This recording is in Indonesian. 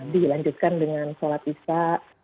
dilanjutkan dengan sholat isya